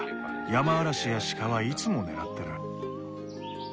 ヤマアラシやシカはいつも狙ってる。